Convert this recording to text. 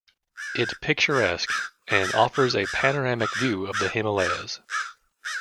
It picturesque and offers a panoramic view of the Himalayas.